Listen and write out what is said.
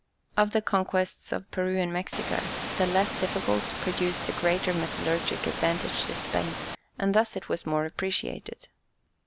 Of the conquests of Peru and Mexico, the less difficult produced the greater metallurgic advantage to Spain, and thus it was the more appreciated.